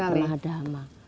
enggak pernah ada hama